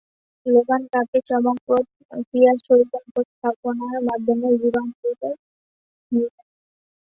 Logan কাপে চমকপ্রদ ক্রীড়াশৈলী উপস্থাপনার মাধ্যমে জিম্বাবুয়ের নির্বাচকমণ্ডলীর দৃষ্টি আকর্ষণ করতে সক্ষম হন সিকান্দার বাট।